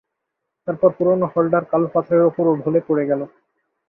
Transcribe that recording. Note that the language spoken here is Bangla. তারপর পুরনো হলটার কালো পাথরের উপর ও ঢলে পড়ে গেল।